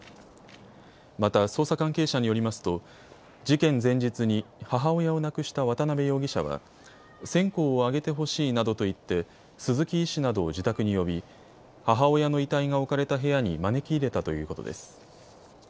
また、捜査関係者によりますと事件前日に母親を亡くした渡邊容疑者は線香をあげてほしいなどと言って鈴木医師などを自宅に呼び母親の遺体が置かれた部屋に招き入れたということです。